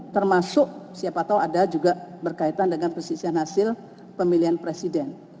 termasuk siapa tahu ada juga berkaitan dengan perselisihan hasil pemilihan presiden